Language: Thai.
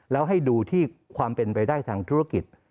แล้วให้ดูที่ความเป็นไปได้ทางธุรกิจ